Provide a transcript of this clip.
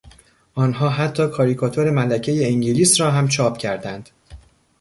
آنها حتی کاریکاتور ملکهی انگلیس را هم چاپ کردند.